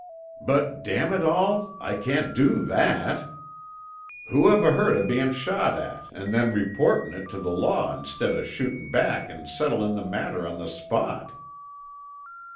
"But damn it all, I can't do that. Who ever heard o' bein' shot at an' then reportin' it tuh law instead o' shootin' back an' settlin' the matter on the spot?"